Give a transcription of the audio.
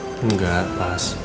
aku gendut gak pakai baju ini